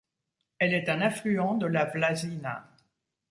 Elle est un affluent de la Vlasina.